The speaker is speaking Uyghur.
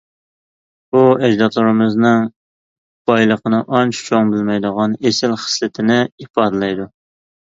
بۇ ئەجدادلىرىمىزنىڭ بايلىقنى ئانچە چوڭ بىلمەيدىغان ئېسىل خىسلىتىنى ئىپادىلەيدۇ.